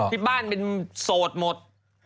ที่บ้านเป็นโสดหมด